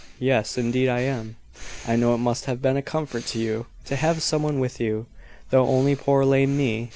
Yes; indeed, I am. I know it must have been a comfort to you to have some one with you, though only poor lame me.